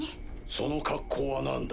その格好はなんだ？